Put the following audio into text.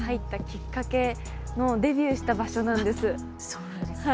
そうなんですか。